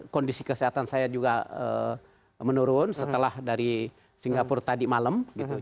kondisi kesehatan saya juga menurun setelah dari singapura tadi malam